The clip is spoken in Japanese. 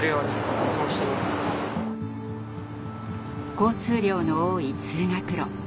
交通量の多い通学路。